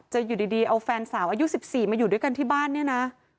อยู่ดีเอาแฟนสาวอายุ๑๔มาอยู่ด้วยกันที่บ้านเนี่ยนะ